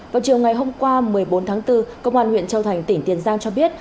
vào chiều ngày hôm qua một mươi bốn tháng bốn công an huyện châu thành tỉnh tiền giang cho biết